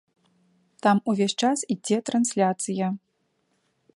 Там увесь час ідзе трансляцыя.